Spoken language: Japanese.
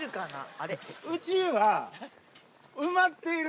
あれ？